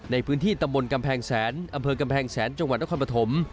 ในพื้นที่ตำบลกำแพงแสนอำเภอกำแพงแสนจังหวัดนครปฐม